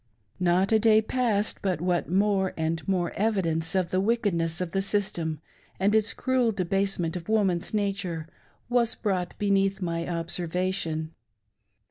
Not a day passed but what more and more evidence of the wickedness of the system, and its cruel debasement of woman's nature, was brought beneath my observation.